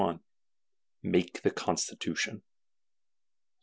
I. Make the Constitution.